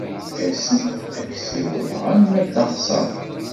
As-d ad k-ssiwḍeɣ arma d taɣsert.